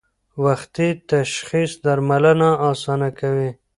وختي تشخیص درملنه اسانه کوي.